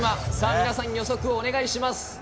皆さん、予測をお願いします。